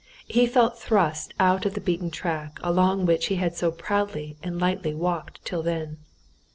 He felt thrust out of the beaten track along which he had so proudly and lightly walked till then.